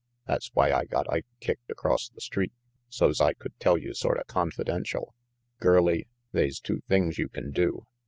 That's why I got Ike kicked across the street, so's I could tell you sorta confidential. Girlie, they's two things you can do.